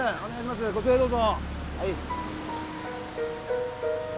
こちらへどうぞ。